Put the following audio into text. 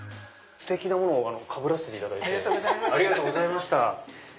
ステキなものかぶらせていただきありがとうございました。